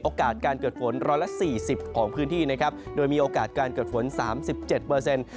โอกาสการเกิดฝน๑๔๐ของพื้นที่โดยมีโอกาสการเกิดฝน๓๗